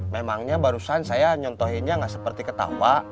memangnya barusan saya nyontohinnya nggak seperti ketawa